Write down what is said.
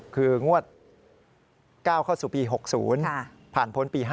คืองวด๙เข้าสู่ปี๖๐ผ่านพ้นปี๕๗